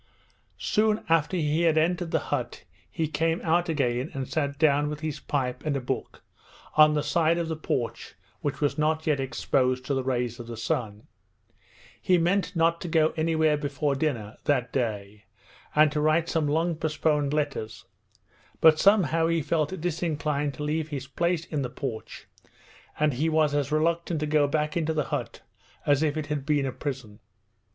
Soon after he had entered the hut he came out again and sat down with his pipe and a book on the side of the porch which was not yet exposed to the rays of the sun. He meant not to go anywhere before dinner that day, and to write some long postponed letters; but somehow he felt disinclined to leave his place in the porch, and he was as reluctant to go back into the hut as if it had been a prison.